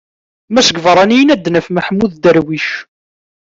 Ma seg yibeṛṛaniyen ad d-naf: Maḥmud Darwic.